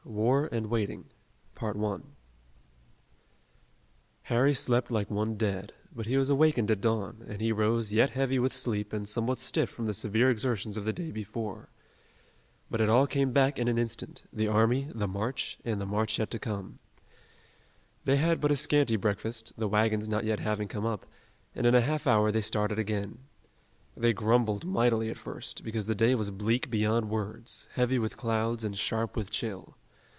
WAR AND WAITING Harry slept like one dead, but he was awakened at dawn, and he rose yet heavy with sleep and somewhat stiff from the severe exertions of the day before. But it all came back in an instant, the army, the march, and the march yet to come. They had but a scanty breakfast, the wagons not yet having come up, and in a half hour they started again. They grumbled mightily at first, because the day was bleak beyond words, heavy with clouds, and sharp with chill.